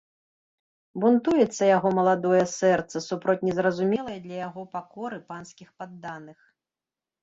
Бунтуецца яго маладое сэрца супроць незразумелай для яго пакоры панскіх падданых.